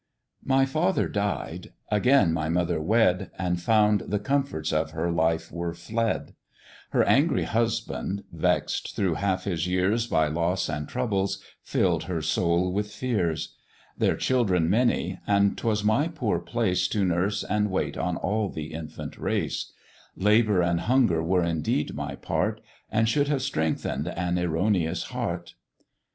"My father died again my mother wed, And found the comforts of her life were fled; Her angry husband, vex'd through half his years By loss and troubles, filled her soul with fears: Their children many, and 'twas my poor place To nurse and wait on all the infant race; Labour and hunger were indeed my part, And should have strengthen'd an erroneous heart.